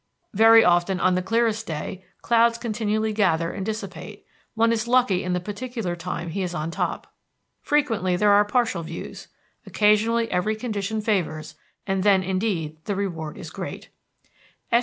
Very often on the clearest day clouds continually gather and dissipate; one is lucky in the particular time he is on top. Frequently there are partial views. Occasionally every condition favors, and then indeed the reward is great.